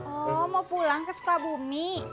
oh mau pulang ke sekolah bumi